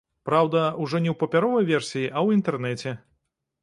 Праўда, ужо не ў папяровай версіі, а ў інтэрнэце.